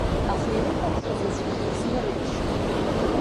Аха ирыхәаԥшуаз аӡәгьы дрызмырччеит.